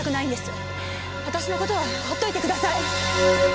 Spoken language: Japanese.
私の事は放っておいてください。